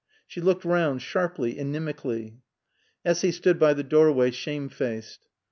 She looked round sharply, inimically. Essy stood by the doorway, shamefaced.